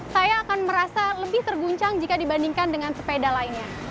saya akan merasa lebih terguncang jika dibandingkan dengan sepeda lainnya